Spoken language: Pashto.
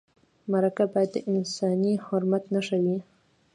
مرکه باید د انساني حرمت نښه وي.